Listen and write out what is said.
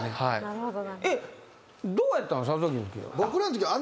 どうやったん？